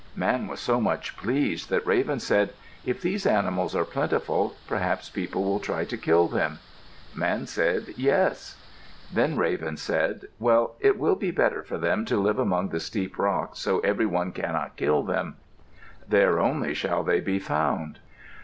Man was so much pleased that Raven said, "If these animals are plentiful, perhaps people will try to kill them." Man said, "Yes." Then Raven said, "Well, it will be better for them to live among the steep rocks so every one cannot kill them. There only shall they be found."